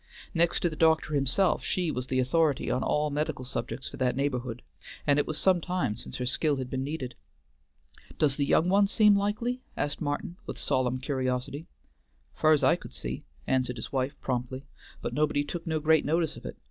Next to the doctor himself, she was the authority on all medical subjects for that neighborhood, and it was some time since her skill had been needed. "Does the young one seem likely?" asked Martin with solemn curiosity. "Fur's I could see," answered his wife promptly, "but nobody took no great notice of it.